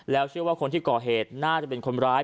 เชื่อว่าคนที่ก่อเหตุน่าจะเป็นคนร้าย